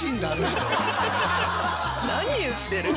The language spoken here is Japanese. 何言ってるの。